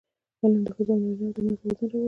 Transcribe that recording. علم د ښځو او نارینهوو ترمنځ توازن راولي.